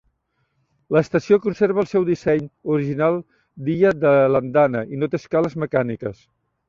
L'estació conserva el seu disseny original d'illa de l'andana i no té escales mecàniques.